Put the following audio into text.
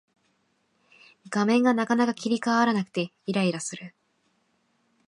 画面がなかなか切り替わらなくてイライラする